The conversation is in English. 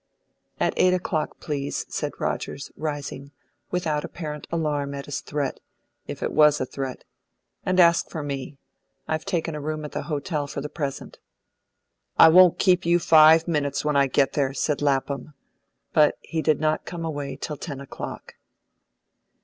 "At eight o'clock, please," said Rogers, rising, without apparent alarm at his threat, if it was a threat. "And ask for me; I've taken a room at the hotel for the present." "I won't keep you five minutes when I get there," said Lapham; but he did not come away till ten o'clock.